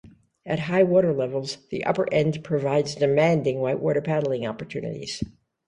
At high water-levels, the upper end provides demanding white-water paddling opportunities.